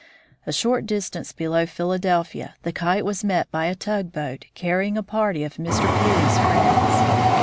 A short distance below Philadelphia the Kite was met by a tugboat, carrying a party of Mr. Peary's friends.